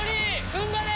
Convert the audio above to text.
ふんばれ！